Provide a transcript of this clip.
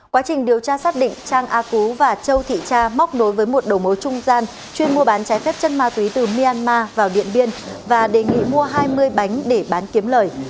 quá trình điều tra xác định trang a cú và châu thị cha móc nối với một đầu mối trung gian chuyên mua bán trái phép chân ma túy từ myanmar vào điện biên và đề nghị mua hai mươi bánh để bán kiếm lời